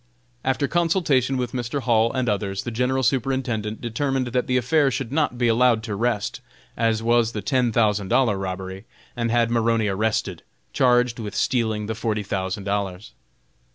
After consultation with Mr. Hall and others, the General Superintendent determined that the affair should not be allowed to rest, as was the ten thousand dollar robbery, and had Maroney arrested, charged with stealing the forty thousand dollars.